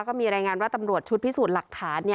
ก็มีรายงานว่าตำรวจชุดพิสูจน์หลักฐาน